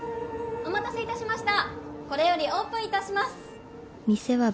お待たせいたしました。